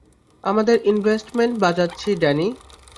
আমাদের ইনভেস্টমেন্ট বাঁচাচ্ছি, ড্যানি।